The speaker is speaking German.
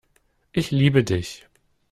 Ich liebe Dich.